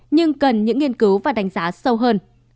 nhưng cần những nghiên cứu và đánh giá sâu hơn